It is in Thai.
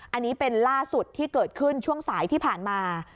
อันนี้เป็นล่าสุดที่เกิดขึ้นช่วงสายที่ผ่านมา